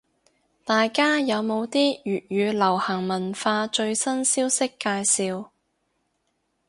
大家有冇啲粵語流行文化最新消息介紹？